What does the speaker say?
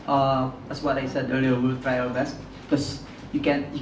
itu yang saya katakan sebelumnya kita akan mencoba yang terbaik